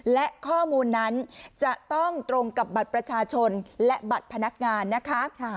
และข้อมูลนั้นจะต้องตรงกับบัตรประชาชนและบัตรพนักงานนะคะ